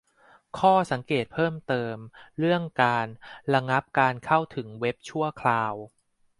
ข้อสังเกตเพิ่มเติม เรื่องการ "ระงับการเข้าถึงเว็บชั่วคราว"